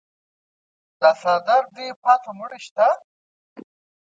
دا څادر دې پاته مړی شته.